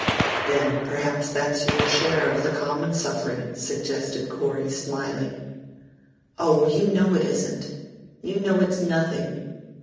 "Then perhaps that's your share of the common suffering," suggested Corey, smiling. "Oh, you know it isn't! You know it's nothing.